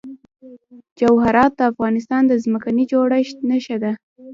جواهرات د افغانستان د ځمکې د جوړښت نښه ده.